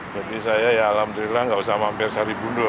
jadi saya ya alhamdulillah enggak usah mampir saribundo